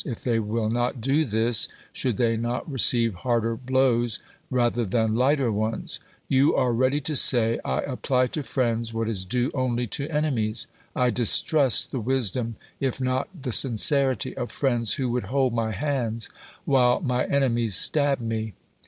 If they will not do this, should they not re ceive harder blows rather than lighter ones ? You are ready to say I apply to friends what is due only to ene mies. I distrust the wisdom if not the sincerity of fi*iends who would hold my hands while my enemies stab me.